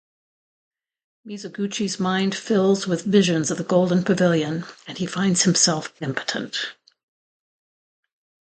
Mizoguchi's mind fills with visions of the Golden Pavilion, and he finds himself impotent.